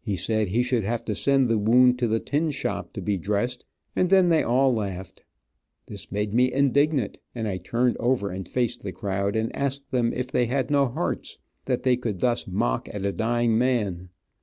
He said he should have to send the wound to the tin shop to be dressed, and then they all laughed. This made me indignant, and I turned over and faced the crowd, and asked them if they had no hearts, that they could thus mock at a dying man.